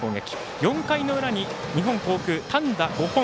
４回の裏に日本航空、単打５本。